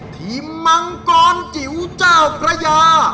มังกรจิ๋วเจ้าพระยา